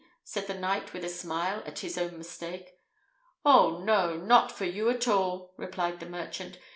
said the knight, with a smile at his own mistake. "Oh, no; not for you at all!" replied the merchant.